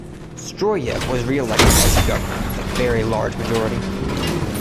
Stroyev was reelected as governor with a very large majority.